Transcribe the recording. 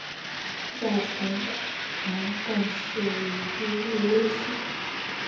嫁钱塘贡士丁睿为妻。